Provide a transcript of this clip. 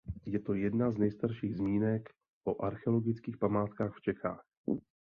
Je to jedna z nejstarší zmínek o archeologických památkách v Čechách.